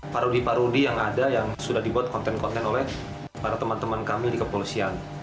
parodi parudi yang ada yang sudah dibuat konten konten oleh para teman teman kami di kepolisian